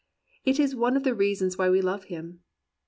It is one of the reasons why we love him.